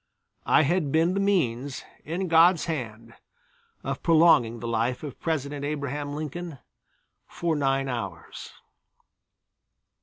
I had been the means, in God's hand, of prolonging the life of President Abraham Lincoln for nine hours.